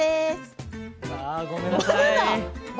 ごめんなさい。